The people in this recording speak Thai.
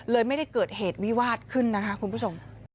ไม่ได้เกิดเหตุวิวาสขึ้นนะคะคุณผู้ชม